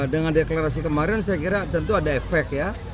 dengan deklarasi kemarin saya kira tentu ada efek ya